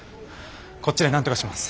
こっちでなんとかします。